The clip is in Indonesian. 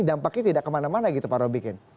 dampaknya tidak kemana mana gitu pak robikin